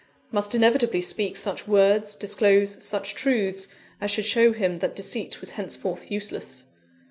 must inevitably speak such words, disclose such truths, as should show him that deceit was henceforth useless.